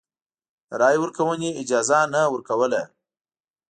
د رایې ورکونې اجازه نه ورکوله.